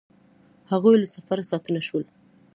هغوی له سفره ستانه شول